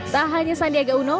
tak hanya sandiaga uno